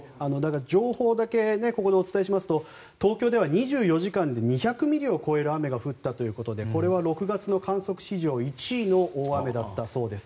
情報だけここでお伝えしますと東京では２４時間で２００ミリを超える雨が降ったということでこれは６月の観測史上１位の大雨だったそうです。